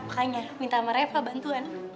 makanya minta sama reva bantuan